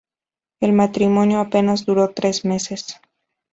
El matrimonio apenas duró tres meses.